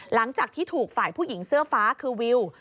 หลังจากที่ถูกฝ่ายผู้หญิงเสื้อฟ้าคือวิว